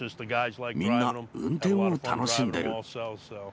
みんな、運転を楽しんでる。